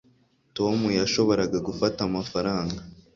tom yashoboraga gufata amafaranga